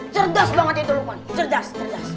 cerdas banget itu lupa cerdas